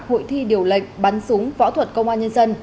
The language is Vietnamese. hội thi điều lệnh bắn súng võ thuật công an nhân dân